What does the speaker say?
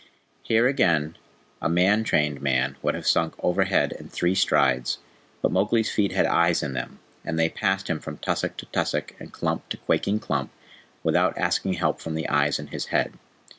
Here, again, a man trained man would have sunk overhead in three strides, but Mowgli's feet had eyes in them, and they passed him from tussock to tussock and clump to quaking clump without asking help from the eyes in his head.